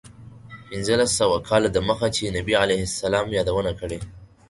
پنځلس سوه کاله دمخه چې نبي علیه السلام یادونه کړې.